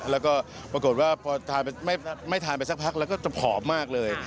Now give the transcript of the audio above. แล้วก็ปรากฏว่าพอทานไม่ทานไปสักพักแล้วก็จะผอมมากเลย